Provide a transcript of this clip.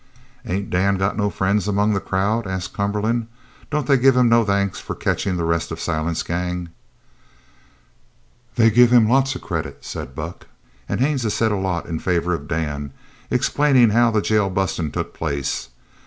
"Ain't Dan got no friends among the crowd?" asked Cumberland. "Don't they give him no thanks for catching the rest of Silent's gang?" "They give him lots of credit," said Buck. "An' Haines has said a lot in favour of Dan, explainin' how the jail bustin' took place.